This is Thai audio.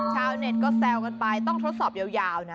ชาวเน็ตก็แซวกันไปต้องทดสอบยาวนะ